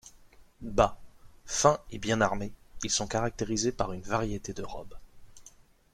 Bas, fins et bien armés, ils sont caractérisés par une variété de robes.